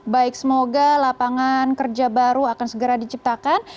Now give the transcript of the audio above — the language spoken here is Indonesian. baik semoga lapangan kerja baru akan segera diciptakan